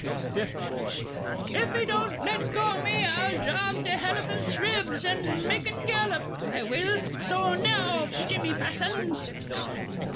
FIFTH BOY. If 'ee doan't let go o' me, I'll job th' helliphant's ribs, and make 'un gallop, I will, so now, Jimmy Passons!